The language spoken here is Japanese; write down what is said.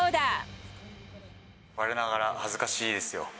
われわれながら恥ずかしいですよ。